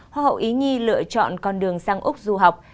hoa hậu ý nhi lựa chọn con đường sang úc du học